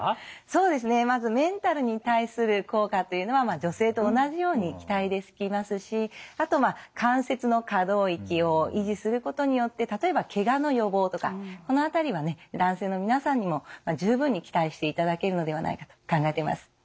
そうですねまずメンタルに対する効果というのは女性と同じように期待できますしあとまあ関節の可動域を維持することによって例えばケガの予防とかこの辺りはね男性の皆さんにも十分に期待していただけるのではないかと考えています。